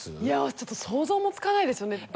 いやあちょっと想像もつかないですよね